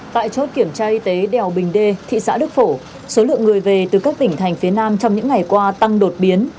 tại chốt kiểm tra y tế đèo bình đê thị xã đức phổ số lượng người về từ các tỉnh thành phía nam trong những ngày qua tăng đột biến